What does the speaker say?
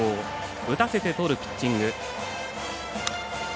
打たせてとるピッチング。